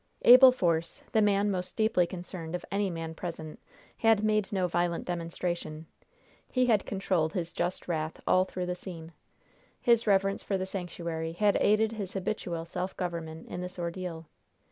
Abel Force, the man most deeply concerned of any man present, had made no violent demonstration. He had controlled his just wrath all through the scene. His reverence for the sanctuary had aided his habitual self government in this ordeal.